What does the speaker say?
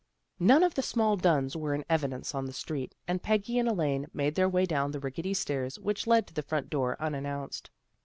None of the small Dunns were in evidence on the street, and Peggy and Elaine made their way down the rickety stairs which led to the front door, unannounced.